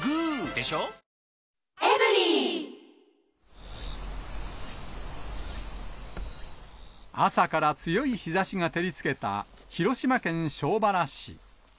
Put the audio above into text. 明治おいしい牛乳朝から強い日ざしが照りつけた広島県庄原市。